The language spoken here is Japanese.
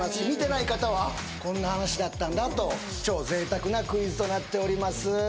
見てない方は「こんな話だったんだ」と超贅沢なクイズとなっております